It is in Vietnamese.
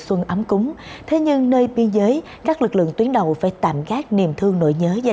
xuân ấm cúng thế nhưng nơi biên giới các lực lượng tuyến đầu phải tạm gác niềm thương nội nhớ